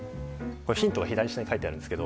ヒントが左下に書いてあるんですが。